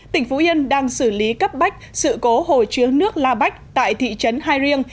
tỉnh phú yên đang xử lý cấp bách sự cố hồ chứa nước la bách tại thị trấn hai riêng